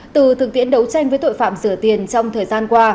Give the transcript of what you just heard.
từ thực tiễn đấu tranh với tội phạm sửa tiền trong thời gian qua